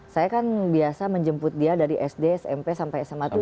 saya kan biasa menjemput dia dari sd smp sampai sma tujuh